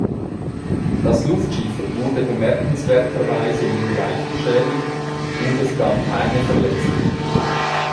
Das Luftschiff wurde bemerkenswerterweise nur leicht beschädigt und es gab keine Verletzten.